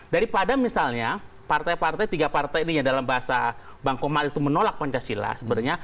daripada misalnya partai partai tiga partai ini yang dalam bahasa bang komal itu menolak pancasila sebenarnya